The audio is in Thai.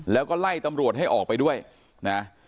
แล้วก็ไล่ตำรวจให้ออกไปด้วยนะ